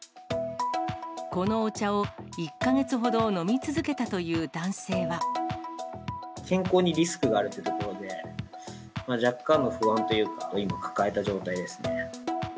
このお茶を、１か月ほど飲み続け健康にリスクがあるというところで、若干の不安というのは今、抱えた状態ですね。